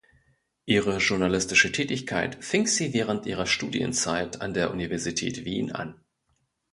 Ihre journalistische Tätigkeit fing sie während ihrer Studienzeit an der Universität Wien an.